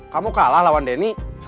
kamu kalah lawan denny